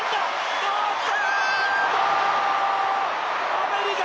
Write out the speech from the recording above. アメリカ！